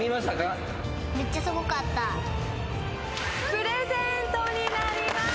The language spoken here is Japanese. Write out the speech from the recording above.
プレゼントになります。